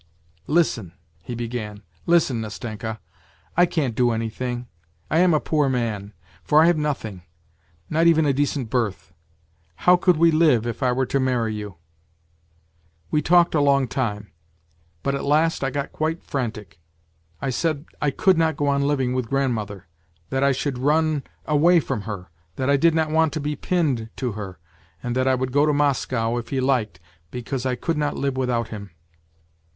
"' Listen,' he began, ' listen, Nastenka, I can't do anything; I am a poor man, for I have nothing, not even a decent berth. How could we live^ if I were to marry you ?'"* We talked a long time ; but at last I got quite frantic, I said I could not go on living with grandmother, that I should run away from her, that I did not want to be pinned to her, and that I would go to Moscow if he liked, because I coukLooiJive. without him.